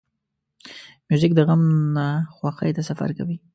موزیک د غم نه خوښۍ ته سفر کوي.